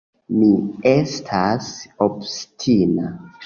Mi estas obstina.